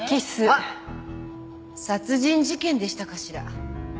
あっ殺人事件でしたかしら。